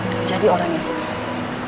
dan jadi orang yang sukses